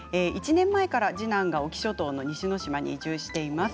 １年前から次男が隠岐諸島の西ノ島に移住しています。